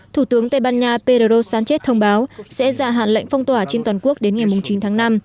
thủ tướng tây ban nha pedro sánchez thông báo sẽ dạ hạn lệnh phong tỏa trên toàn quốc đến ngày chín tháng năm